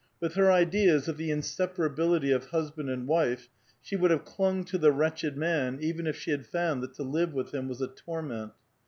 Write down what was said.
With her ideas of the inseparability of husband and wife, she would have clung to the wretched man even if she had found that to live with him was a torment.